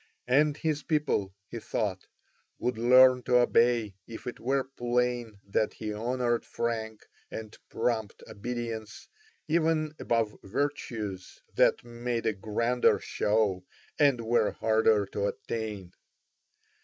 And his people, he thought, would learn to obey if it were plain that he honoured frank and prompt obedience even above virtues that made a grander show and were harder to attain.